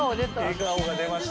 笑顔が出ました。